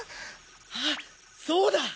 あっそうだ！